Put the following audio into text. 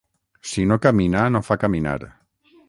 Si no camina, no fa caminar.